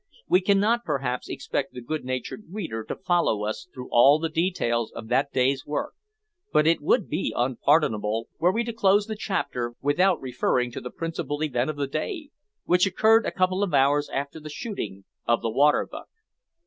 We cannot perhaps, expect the good natured reader to follow us through all the details of that day's work; but it would be unpardonable were we to close the chapter without referring to the principal event of the day, which occurred a couple of hours after the shooting of the water buck.